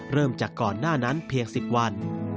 เริ่มจากก่อนหน้านั้นเพียง๑๐วัน